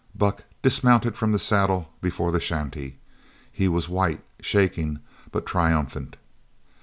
Buck dismounted from the saddle before the shanty. He was white, shaking, but triumphant.